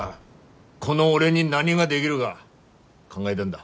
この俺に何がでぎるが考えだんだ。